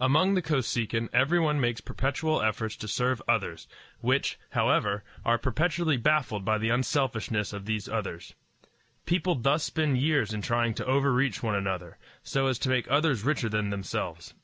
Among the Kosekin everyone makes perpetual efforts to serve others, which, however, are perpetually baffled by the unselfishness of these others. People thus spend years in trying to overreach one another, so as to make others richer than themselves.